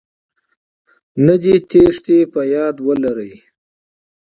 نه دې تېښتې.په ياد ولرئ